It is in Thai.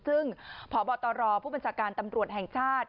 ซึ่งพบตรผู้บัญชาการตำรวจแห่งชาติ